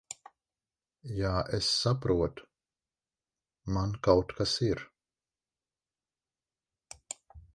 Jā, es saprotu. Man kaut kas ir...